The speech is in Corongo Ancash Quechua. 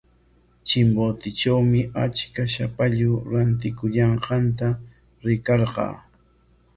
Chimbotetrawmi achka shapallu rantikuyanqanta rikarqaa.